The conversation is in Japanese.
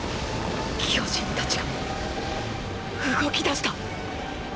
巨人たちが動きだした。